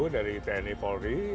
tujuh belas dari tni polri